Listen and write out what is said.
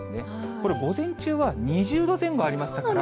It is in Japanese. これ、午前中は２０度前後ありましたから。